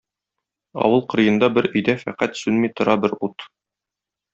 Авыл кырыенда бер өйдә фәкать сүнми тора бер ут.